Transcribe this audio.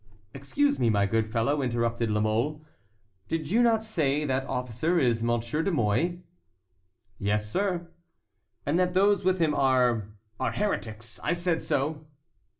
"Excuse me, my good fellow," interrupted La Mole, "did you not say that officer is M. de Mouy?" "Yes, sir." "And that those with him are"— "Are heretics—I said so."